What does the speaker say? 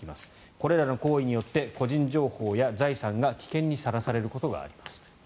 これらの行為によって個人情報や財産が危険にさらされることがあります。